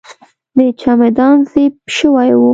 د چمدان زپ شوی و.